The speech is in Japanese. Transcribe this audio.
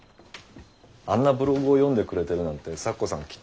あんなブログを読んでくれてるなんて咲子さん